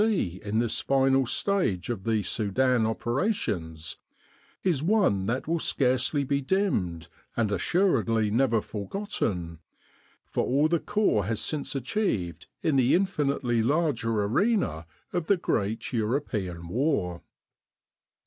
C. in this final stage of the Sudan 12 Retrospect operations is one that will scarcely be dimmed, and assuredly never forgotten, for all the Corps has since achieved in the infinitely larger arena of the great European War.